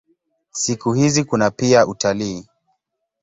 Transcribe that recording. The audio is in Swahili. Siku hizi kuna pia utalii.